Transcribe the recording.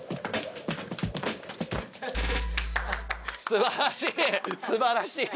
すばらしい！